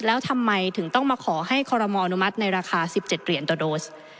แล้วทำไมถึงต้องมาขอให้คอรมออนุมัติในราคา๑๗เหรียญต่อโดส